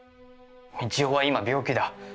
三千代は今病気だ。